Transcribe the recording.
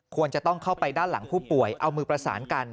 ควรจะต้องเข้าไปด้านหลังผู้ป่วยเอามือประสานกัน